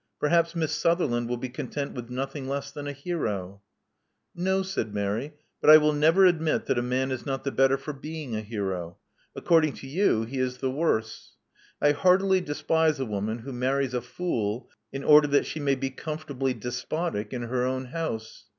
Perhaps Miss Sutherland will be content with nothing less than a hero." No, said Mary. But I will never admit that a man is not the better for being a hero. According to you, he is the worse. I heartily despise a woman who marries a fool in order that she may be comfortably despotic in her own house.